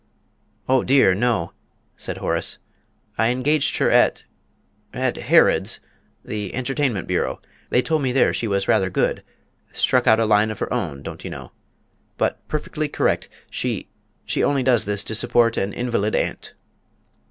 "Oh dear, no," said Horace; "I engaged her at at Harrod's the Entertainment Bureau. They told me there she was rather good struck out a line of her own, don't you know. But perfectly correct; she she only does this to support an invalid aunt."